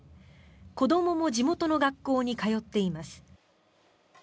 子どもも地元の学校に通っています。